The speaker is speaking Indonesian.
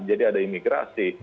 jadi ada imigrasi